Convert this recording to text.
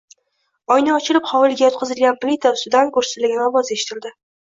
Oyna ochilib, hovliga yotqizilgan plita ustidan gursillagan ovoz eshitildi